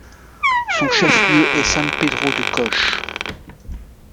Son chef-lieu est San Pedro de Coche.